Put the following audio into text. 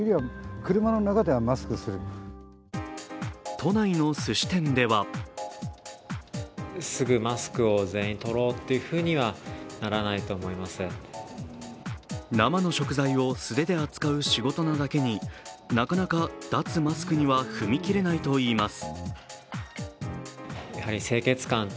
都内のすし店では生の食材を素手で扱う仕事なだけになかなか脱マスクには踏み切れないといいます。